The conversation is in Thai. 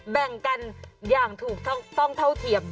แบ่งกันอย่างถูกต้องเท่าเทียม